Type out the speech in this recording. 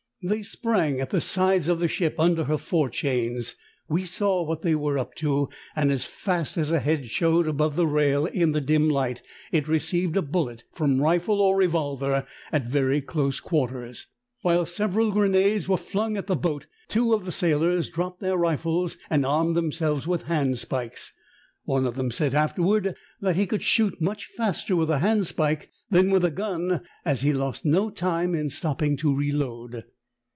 They sprang at the sides of the ship under her fore chains ; aa^c saAv Avhat they Avere up to, and as fast as a head showed aboA^e the rail in the dim light it receiA^ed a bullet from rifle or revoh^er at very close quarters. While sev eral grenades AA^ere flung at the boat two of the sailors dropped their rifles and armed themselves with handspikes ; one of them said afterward that BY Chinese pirates. 8? he could shoot much faster with a handspike than tvith a gun as he lost no time in stopping to reload.